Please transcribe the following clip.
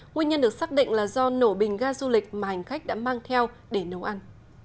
nguyên nhân được xác định là do nổ bình ga du lịch mà hành khách đã mang theo để nấu ăn